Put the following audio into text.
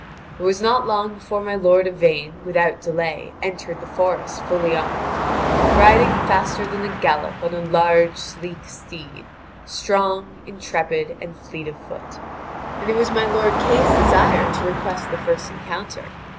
It was not long before my lord Yvain without delay entered the forest fully armed, tiding faster than a gallop on a large, sleek steed, strong, intrepid, and fleet of foot. And it was my lord Kay's desire to request the first encounter.